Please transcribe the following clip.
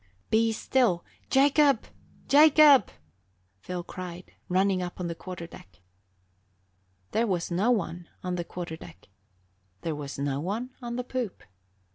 "Be still! Jacob, Jacob!" Phil cried, running up on the quarter deck. There was no one on the quarter deck; there was no one on the poop.